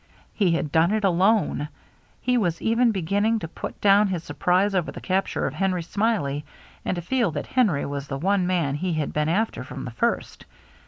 He had done it alone. He was even beginning to put down his surprise over the capture of Henry Smiley, and to feel that Henry was the one man he had been after from the first.